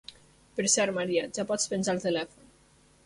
Per cert, Maria, ja pots penjar el telèfon.